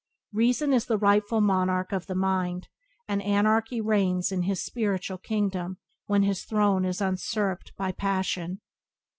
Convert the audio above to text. Reason is the rightful monarch of the mind, and anarchy reigns in his spiritual kingdom when his throne is usurped by passion.